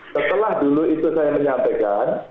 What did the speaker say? setelah dulu itu saya menyampaikan